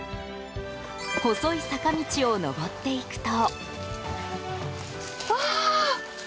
細い坂道を上っていくと。